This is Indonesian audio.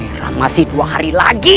tetap saja berusaha untuk menerimamu